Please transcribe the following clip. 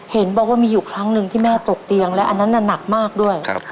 เห็นบอกว่ามีอยู่ครั้งหนึ่งที่แม่ตกเตียงและอันนั้นน่ะหนักมากด้วย